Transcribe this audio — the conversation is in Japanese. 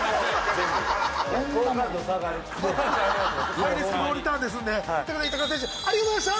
ハイリスクノーリターンですのでという事で板倉選手ありがとうございました！